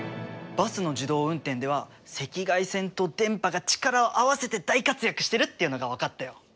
バスの自動運転では赤外線と電波が力を合わせて大活躍してるっていうのが分かったよ！